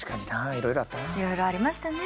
いろいろありましたね。